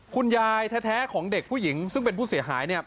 คุณยายแท้ของเด็กผู้หญิงซึ่งเป็นผู้เสียหายเนี่ย